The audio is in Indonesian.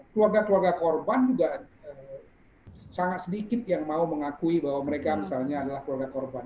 keluarga keluarga korban juga sangat sedikit yang mau mengakui bahwa mereka misalnya adalah keluarga korban